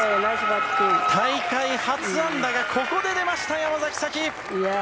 大会初安打がここで出ました山崎早紀！